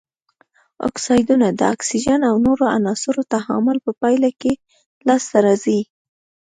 اکسایدونه د اکسیجن او نورو عناصرو تعامل په پایله کې لاس ته راځي.